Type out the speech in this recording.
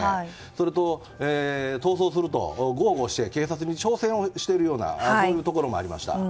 それと、逃走すると豪語して警察に挑戦をしているようなところもありました。